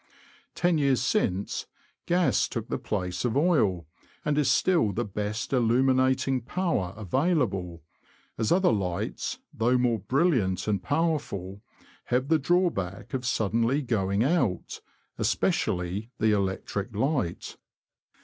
Ten years since, gas took the place of oil, and is still the best illuminating power available, as other lights, though more brilliant and powerful, have the drawback of suddenly going out, especially the electric light.